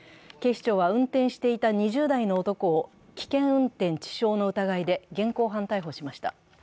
警視庁は運転していた２０代の男を危険運転致傷の疑いで現行犯逮捕しました。